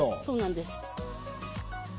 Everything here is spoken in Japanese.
そうなんです。